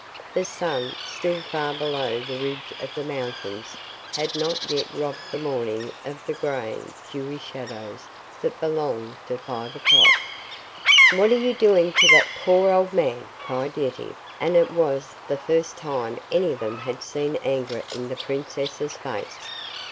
The sun, still far below the ridge of mountains, had not yet robbed the morning of the gray, dewy shadows that belong to five o'clock. "What are you doing to that poor old man?" cried Yetive, and it was the first time any of them had seen anger in the princess's face.